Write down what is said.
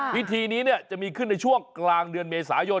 พิธีนี้จะมีขึ้นในช่วงกลางเดือนเมษายน